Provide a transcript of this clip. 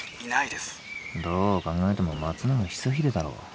どう考えても松永久秀だろこれ。